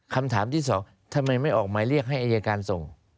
คำถามที่สองทำไมไม่ออกหมายเรียกให้อายการส่ง